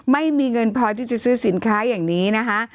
ไม่มีเงินพอที่จะซื้อสินค้าอย่างนี้นะคะ